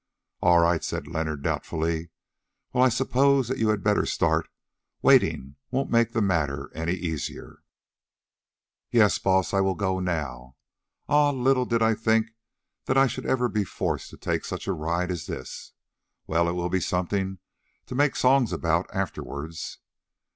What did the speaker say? "All right," said Leonard doubtfully. "Well, I suppose that you had better start; waiting won't make the matter any easier." "Yes, Baas, I will go now. Ah! little did I think that I should ever be forced to take such a ride as this. Well, it will be something to make songs about afterwards."